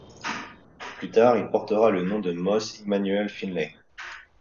Plus tard il portera le nom de Moses Immanuel Finley.